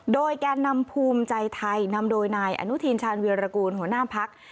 โดยแก่นำภูมิใจไทยนำโดยนายอนุทินชาญวิรากูลหัวหน้าพัก